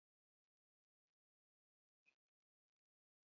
影片分享网站是指在网上免费提供有声影片的服务。